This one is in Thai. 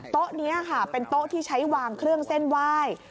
โต๊ะนี้ค่ะเป็นโต๊ะที่ใช้วางเครื่องเส้นไหว้